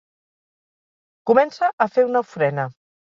Comença a fer una ofrena.